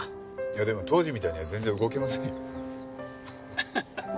いやでも当時みたいには全然動けませんよ。ハハハ。